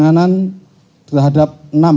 penanganan terhadap enam